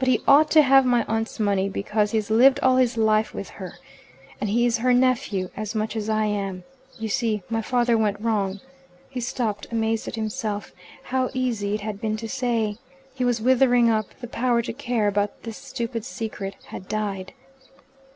But he ought to have my aunt's money, because he's lived all his life with her, and is her nephew as much as I am. You see, my father went wrong." He stopped, amazed at himself. How easy it had been to say! He was withering up: the power to care about this stupid secret had died.